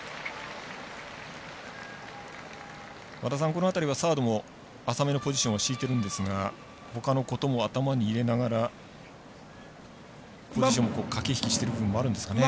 この辺りはサードも浅めのポジションを敷いているんですがほかのことも頭に入れながらポジション、駆け引きしてる部分もあるんですかね。